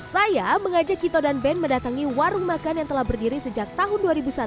saya mengajak kito dan ben mendatangi warung makan yang telah berdiri sejak tahun dua ribu satu